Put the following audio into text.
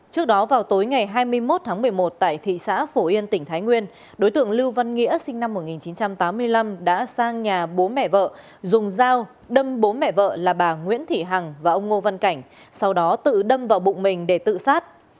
trước đó vào tối ngày hai mươi một tháng một mươi một tại thị xã phổ yên tỉnh thái nguyên đối tượng lưu văn nghĩa sinh năm một nghìn chín trăm tám mươi năm đã sang nhà bố mẹ vợ dùng dao đâm bố mẹ vợ là bà nguyễn thị hằng và ông ngô văn cảnh sau đó tự đâm vào bụng mình để tự sát